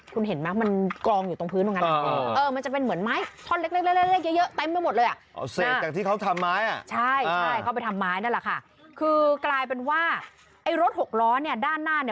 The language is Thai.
คุณเห็นไหมมันกองอยู่ตรงพื้นตรงนั้น